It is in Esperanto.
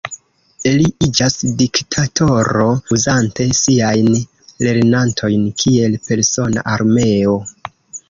Li iĝas diktatoro uzante siajn lernantojn kiel persona armeo.